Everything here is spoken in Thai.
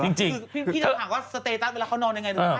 คือพี่จะถามว่าสเตตัสเวลาเขานอนยังไง